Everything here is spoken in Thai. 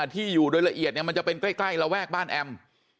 ที่อยู่โดยละเอียดมันจะเป็นใกล้ระแวกบ้านแอม